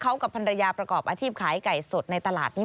เขากับภรรยาประกอบอาชีพขายไก่สดในตลาดนี้